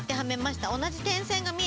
同じ点線が見えたので。